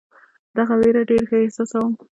دغه وېره ډېر ښه احساسوم.